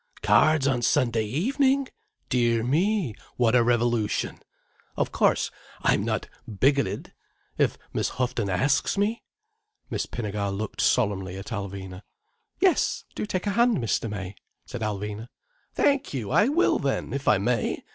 "Cards on Sunday evening! Dear me, what a revolution! Of course, I'm not bigoted. If Miss Houghton asks me—" Miss Pinnegar looked solemnly at Alvina. "Yes, do take a hand, Mr. May," said Alvina. "Thank you, I will then, if I may.